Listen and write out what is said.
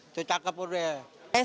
itu cakep udah